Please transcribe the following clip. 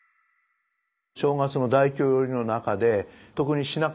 正月の大饗料理の中で特に品数